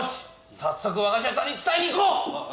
さっそく和菓子屋さんに伝えに行こう！